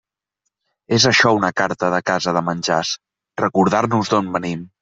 És això una carta de casa de menjars: recordar-nos d'on venim.